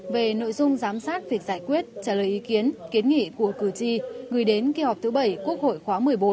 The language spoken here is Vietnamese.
về nội dung giám sát việc giải quyết trả lời ý kiến kiến nghị của cử tri gửi đến kỳ họp thứ bảy quốc hội khóa một mươi bốn